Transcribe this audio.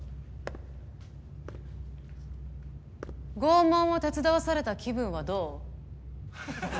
拷問を手伝わされた気分はどう？